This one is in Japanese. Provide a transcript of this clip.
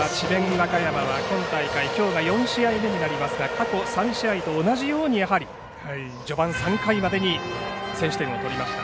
和歌山は今大会きょうは４試合目になりますが過去３試合と同じように序盤先取点を取りました。